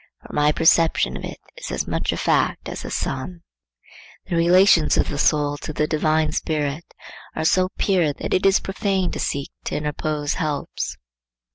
For my perception of it is as much a fact as the sun. The relations of the soul to the divine spirit are so pure that it is profane to seek to interpose helps.